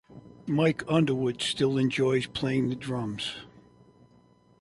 Mike Underwood still enjoys playing the drums.